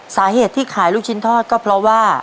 สาเหตุที่ขายลูกชิ้นทอดก็เพราะว่า